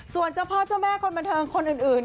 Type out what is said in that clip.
ส่วนเจ้าพ่อเจ้าแม่คนบันเทิงคนอื่น